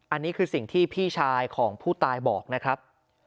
อันนี้คือสิ่งที่พี่ชายของผู้ตายบอกนะครับ